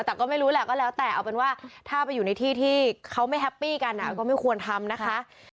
แต่ก็ไม่รู้แหละก็แล้วแต่เอาเป็นว่าถ้าไปอยู่ในที่ที่เขาไม่แฮปปี้กันก็ไม่ควรทำนะคะ